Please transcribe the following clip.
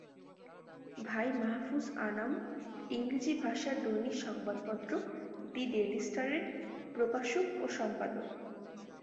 ভাই মাহফুজ আনাম ইংরেজি ভাষার দৈনিক সংবাদপত্র দি ডেইলি স্টারের প্রকাশক ও সম্পাদক।